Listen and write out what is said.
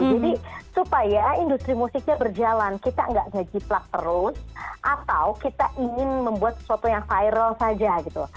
jadi supaya industri musiknya berjalan kita nggak ngejiplak terus atau kita ingin membuat sesuatu yang viral saja gitu